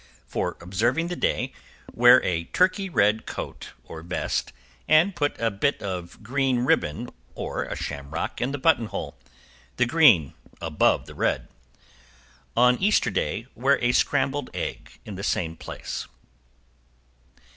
For observing the day, wear a turkey red coat, or vest, and put a bit of green ribbon, or a shamrock, in the buttonhole the green above the red. On Easter day, wear a scrambled egg in the same place.